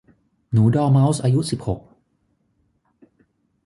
หนูดอร์เมาส์อายุสิบหก